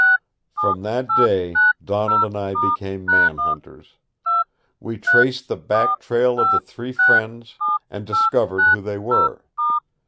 "From that day Donald and I became man hunters. We traced the back trail of the three fiends and discovered who they were.